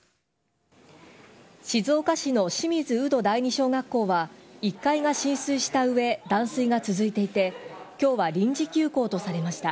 静岡市の清水有度第二小学校は１階が浸水したうえ、断水が続いていて、きょうは臨時休校とされました。